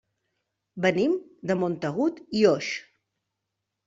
Venim de Montagut i Oix.